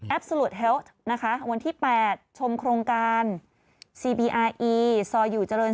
แอบซูลูว์ทเฮียล์นะคะวันที่แปดชมโครงการสีบีอาเอียส้อยอยู่เจริญ